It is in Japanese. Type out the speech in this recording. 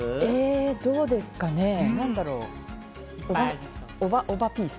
どうですかね、おばピース！